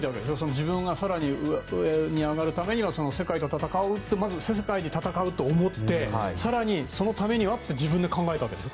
自分が更に上に上がるためにはまず世界と戦うと思って、更にそのためにはって自分で考えたわけでしょ。